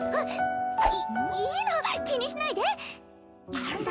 いいいの気にしないで何だ